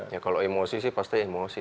ya kalau emosi sih pasti emosi